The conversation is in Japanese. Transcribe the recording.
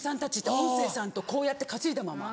音声さんとこうやって担いだまま。